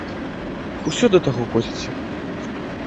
Усё да таго коціцца.